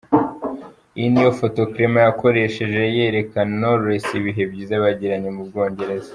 Iyi niyo foto Clement yakoresheje yereka Knowless ibihe byiza bagiranye mu Bwongereza.